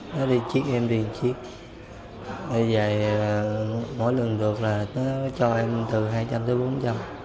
nó đi trước em đi chiếc bây giờ mỗi lần được là nó cho em từ hai trăm linh tới bốn trăm linh